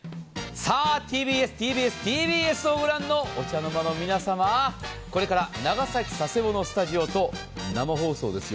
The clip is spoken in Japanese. さあ、ＴＢＳ、ＴＢＳ、ＴＢＳを御覧のお茶の間の皆様、これから長崎佐世保のスタジオと生放送ですよ。